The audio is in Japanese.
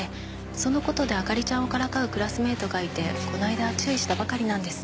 その事で明里ちゃんをからかうクラスメートがいてこの間注意したばかりなんです。